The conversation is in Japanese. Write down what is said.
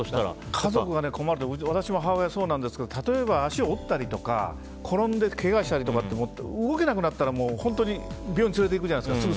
家族が困るのは私も母親、そうなんですが例えば足を折ったりとか転んで、けがをして動けなくなったら本当に病院連れていくじゃないですか。